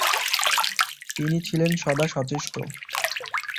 তিনি ছিলেন সদা সচেষ্ট।